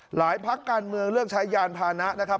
หลายภาคกลางเมืองเลือกใช้ยานพานะนะครับ